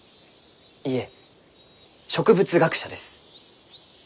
いいえ植物学者です。